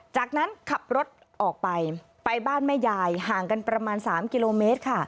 จากนั้นขับรถออกไปไปบ้านแม่ยายห่างกันประมาณ๓กิโลเมตรค่ะ